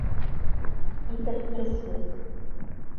Иҫерткес еҫ!